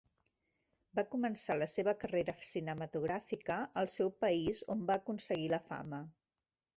Va començar la seva carrera cinematogràfica al seu país on va aconseguir la fama.